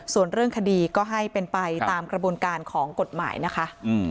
ส่วนเรื่องคดีก็ให้เป็นไปตามกระบวนการของกฎหมายนะคะ